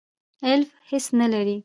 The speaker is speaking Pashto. الیف هیڅ نه لری.